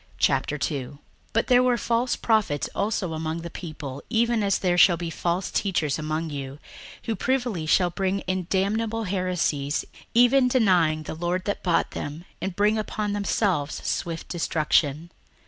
61:002:001 But there were false prophets also among the people, even as there shall be false teachers among you, who privily shall bring in damnable heresies, even denying the Lord that bought them, and bring upon themselves swift destruction.